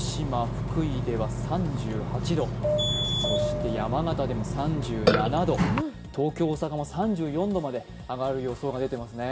福井では３８度、そして山形でも３７度、東京、大阪でも３４度の予想が出ていますね。